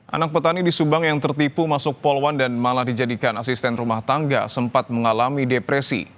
anak petani di subang yang tertipu masuk poluan dan malah dijadikan asisten rumah tangga sempat mengalami depresi